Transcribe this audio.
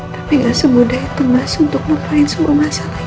tapi gak semudah itu mas untuk memperlain semua masalah